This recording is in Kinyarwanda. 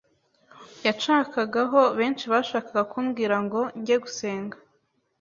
yanshakagaho, benshi bashakaga kumbwira ngo njye gusenga